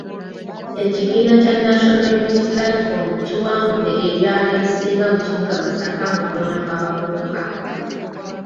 Ekibiina kya National Unity Platform kiwangudde ebyalo ebisinga mu kibuga Masaka mu kulonda kw’abavubuka.